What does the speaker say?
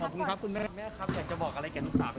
ขอบคุณครับคุณแม่ครับอยากจะบอกอะไรกับลูกสาว